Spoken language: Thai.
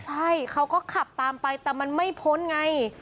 ใช่เขาก็ขับตามไปแต่มันไม่พ้นไง